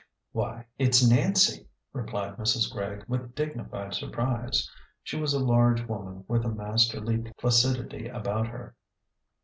"Why, it's Nancy," replied Mrs. Gregg, with dignified surprise. She was a large woman, with a masterly placid^ ity about her.